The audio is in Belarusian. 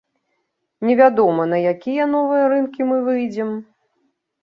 Невядома, на якія новыя рынкі мы выйдзем.